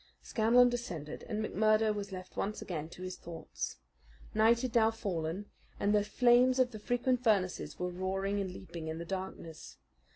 Scanlan descended, and McMurdo was left once again to his thoughts. Night had now fallen, and the flames of the frequent furnaces were roaring and leaping in the darkness.